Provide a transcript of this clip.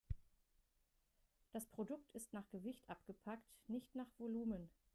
Das Produkt ist nach Gewicht abgepackt, nicht nach Volumen.